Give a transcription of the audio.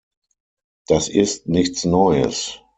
Das ist nichts Neues!